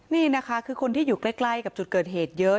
นี่นะคะคือคนที่อยู่ใกล้กับจุดเกิดเหตุเยอะ